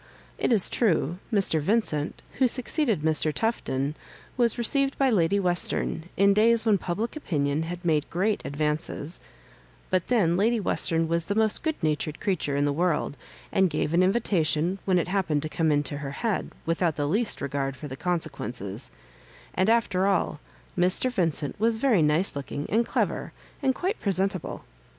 It is true, Mr. Vincent, who succeeded Mr. Tufton, was re ceived by Lady Western, in days when public opinion had made great advances; but then Lady Western was the most good natured crea ture in the world, and gave an invitation, when it happened to come into her head, without the least regard for the consequences ; and, after all, Mr. Vincent was very nice looking and clever, and quite presentable.